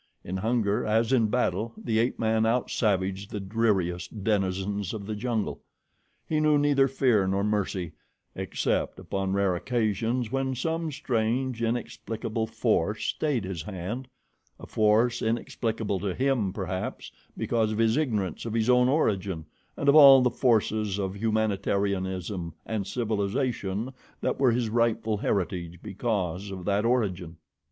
In hunger, as in battle, the ape man out savaged the dreariest denizens of the jungle. He knew neither fear nor mercy, except upon rare occasions when some strange, inexplicable force stayed his hand a force inexplicable to him, perhaps, because of his ignorance of his own origin and of all the forces of humanitarianism and civilization that were his rightful heritage because of that origin.